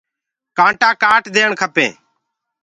ڪآٽآ ڪآٽ ديڻ کپينٚ۔